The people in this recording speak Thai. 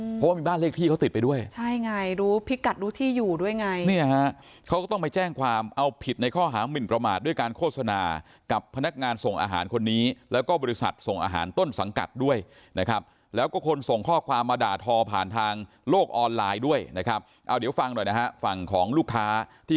เพราะว่ามีบ้านเลขที่เขาติดไปด้วยใช่ไงรู้พิกัดรู้ที่อยู่ด้วยไงเนี่ยฮะเขาก็ต้องไปแจ้งความเอาผิดในข้อหามินประมาทด้วยการโฆษณากับพนักงานส่งอาหารคนนี้แล้วก็บริษัทส่งอาหารต้นสังกัดด้วยนะครับแล้วก็คนส่งข้อความมาด่าทอผ่านทางโลกออนไลน์ด้วยนะครับเอาเดี๋ยวฟังหน่อยนะฮะฝั่งของลูกค้าที่